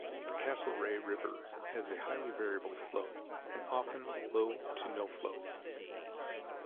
The Castlereagh River has a highly variable flow, and often, low to no flow.